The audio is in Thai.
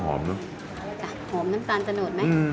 หอมน้ำตาลจะโน้ตไหม